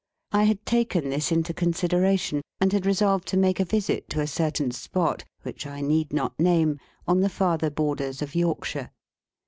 I had taken this into consideration, and had resolved to make a visit to a certain spot (which I need not name) on the farther borders of Yorkshire.